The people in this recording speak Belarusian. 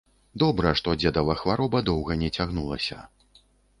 Добра, што дзедава хвароба доўга не цягнулася.